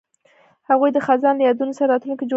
هغوی د خزان له یادونو سره راتلونکی جوړولو هیله لرله.